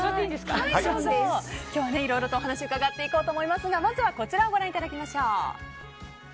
今日はいろいろとお話を伺っていきますがまずは、こちらをご覧いただきましょう。